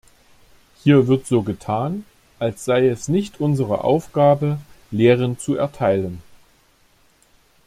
Hier wird so getan, als sei es nicht unsere Aufgabe, Lehren zu erteilen.